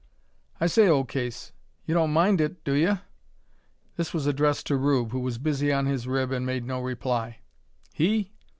"I say, old case, you don't mind it, do ye?" This was addressed to Rube, who was busy on his rib and made no reply. "He?